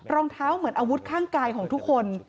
รองเท้าเหมือนอาวุธข้างกายของทุกคน